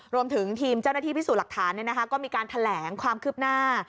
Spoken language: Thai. รวมถึงทีมเจ้าหน้าที่พิสูจน์หลักฐานก็มีการแถลงความคืบหน้า